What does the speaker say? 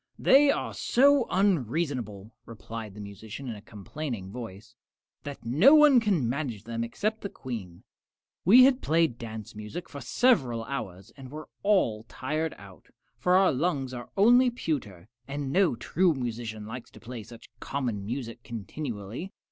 "They are so unreasonable," replied the musician, in a complaining voice, "that no one can manage them except the Queen. We had played dance music for several hours and were all tired out, for our lungs are only pewter, and no true musician likes to play such common music continually.